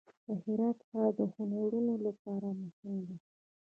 د هرات ښار د هنرونو لپاره مهم دی.